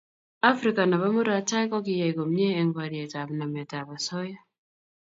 afrika nebo murot tai kokikoyai komie eng borietap nametab osoya